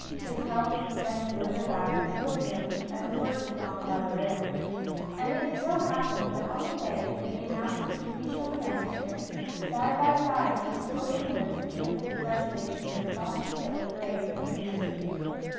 His health had been good or bad, proportionately as the work had gone well or ill. And so it happened that on the day that he announced the completion of the manuscript, side by side with the spoken words of cheerful congratulation went thoughts that were grave and apprehensive.